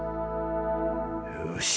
よし。